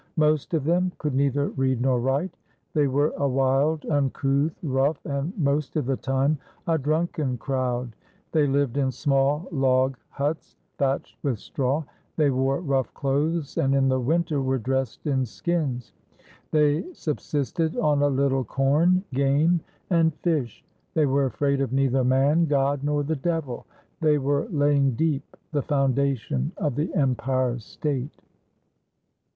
"Most of them could neither read nor write. They were a wild, uncouth, rough, and most of the time a drunken crowd. They lived in small log huts, thatched with straw. They wore rough clothes, and in the winter were dressed in skins. They subsisted on a little corn, game, and fish. They were afraid of neither man, God, nor the Devil. They were laying deep the foundation of the Empire State."